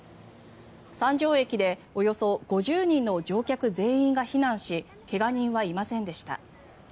三条駅でおよそ５０人の乗客全員が避難し怪我人はいませんでした。